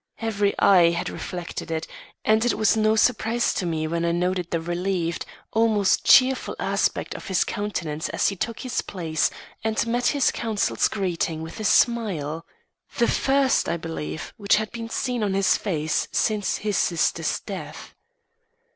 Every eye had reflected it, and it was no surprise to me when I noted the relieved, almost cheerful aspect of his countenance as he took his place and met his counsel's greeting with a smile the first, I believe, which had been seen on his face since his sister's death.